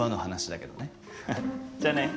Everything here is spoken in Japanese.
じゃあね。